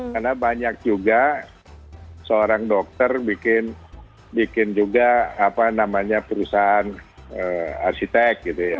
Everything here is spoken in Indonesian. karena banyak juga seorang dokter bikin juga perusahaan arsitek